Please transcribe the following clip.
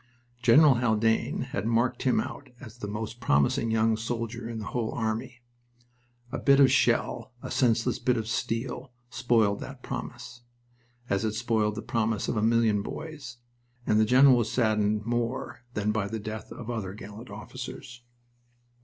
General Haldane had marked him out as the most promising young soldier in the whole army. A bit of shell, a senseless bit of steel, spoiled that promise as it spoiled the promise of a million boys and the general was saddened more than by the death of other gallant officers.